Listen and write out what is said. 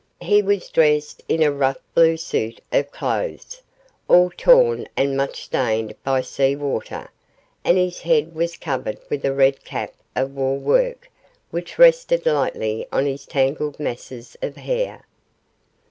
He was dressed in a rough blue suit of clothes, all torn and much stained by sea water, and his head was covered with a red cap of wool work which rested lightly on his tangled masses of hair.